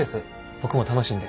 僕も楽しいんで。